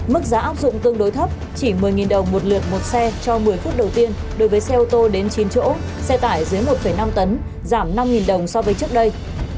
mức giá áp dụng tương đối thấp chỉ một mươi đồng một lượt một xe cho một mươi phút đầu tiên đối với xe ô tô đến chín chỗ xe tải dưới một năm tấn giảm năm đồng so với trước đây